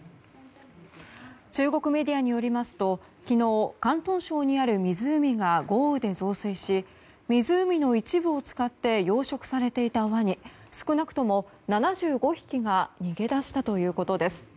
中国メディアによりますと昨日、広東省にある湖が豪雨で増水し、湖の一部を使って養殖されていたワニ少なくとも７５匹が逃げ出したということです。